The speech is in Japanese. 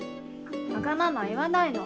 わがまま言わないの